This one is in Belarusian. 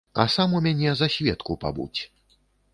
А сам у мяне за сведку пабудзь.